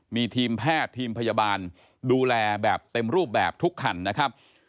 มีทีมแพทย์ทีมพยาบาลดูแลแบบเต็มรูปแบบทุกคันนะครับ